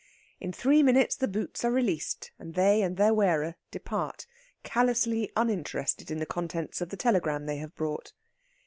In three minutes the boots are released, and they and their wearer depart, callously uninterested in the contents of the telegram they have brought.